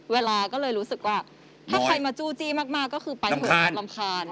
เวลาก็เลยรู้สึกว่าถ้าใครมาจู้จี้มากก็คือไปเถอะรำคาญ